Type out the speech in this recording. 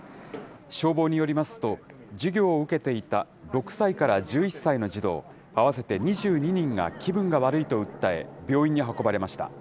消防によりますと、授業を受けていた６歳から１１歳の児童合わせて２２人が気分が悪いと訴え、病院に運ばれました。